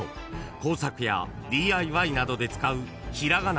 ［工作やＤＩＹなどで使う平仮名